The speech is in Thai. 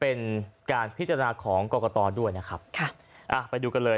เป็นการพิจารณาของกรกตด้วยนะครับค่ะอ่าไปดูกันเลย